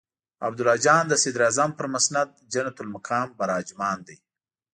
عبدالله جان د صدراعظم پر مسند جنت المقام براجمان دی.